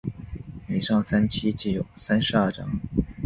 以上三期计有三十二章。